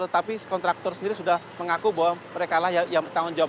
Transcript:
tetapi kontraktor sendiri sudah mengaku bahwa mereka lah yang bertanggung jawab